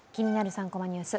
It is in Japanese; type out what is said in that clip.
３コマニュース」